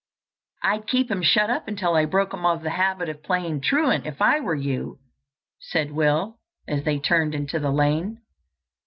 "I'd keep him shut up until I broke him of the habit of playing truant, if I were you," said Will, as they turned into the lane.